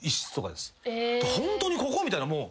ホントにここ？みたいな。